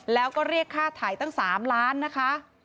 แล้วก็เรียกค่าถ่ายตั้ง๓ล้านนะคะ